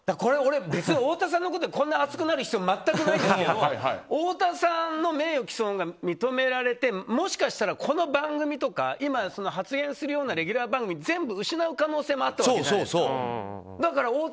太田さんのことでこんな熱くなる必要は全くないんですけども太田さんの名誉毀損が認められてもしかしたら、この番組とか今、発言するようなレギュラー番組全部失う可能性もあったわけじゃないですか。